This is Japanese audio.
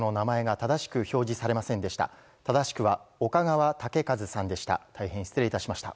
正しくは岡川武和さんでした。